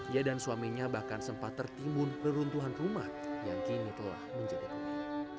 ia dan suaminya bahkan sempat tertimbun reruntuhan rumah yang kini telah menjadi penyanyi